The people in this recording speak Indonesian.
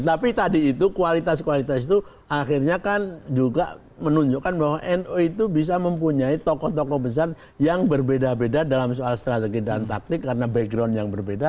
tapi tadi itu kualitas kualitas itu akhirnya kan juga menunjukkan bahwa nu itu bisa mempunyai tokoh tokoh besar yang berbeda beda dalam soal strategi dan taktik karena background yang berbeda